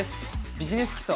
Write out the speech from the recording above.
「ビジネス基礎」